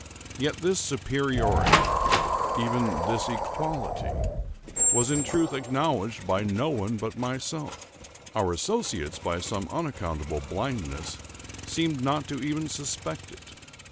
Yet this superiority—even this equality—was in truth acknowledged by no one but myself; our associates, by some unaccountable blindness, seemed not even to suspect it.